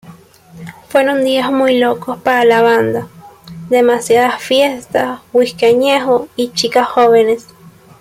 Fueron días muy locos para la banda: demasiadas fiestas, whiskey añejo y chicas jóvenes.